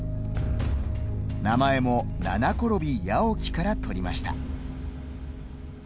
名前も七転び「八起き」から取りました。